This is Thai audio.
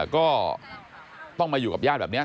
ก็ต้องมาอยู่กับญาติแบบนี้